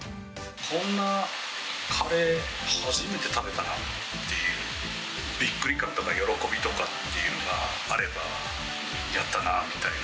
こんなカレー、初めて食べたなっていう、びっくり感とか喜びとかっていうのがあれば、やったなぁみたいな。